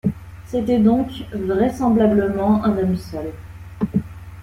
C’était donc vraisemblablement un homme seul.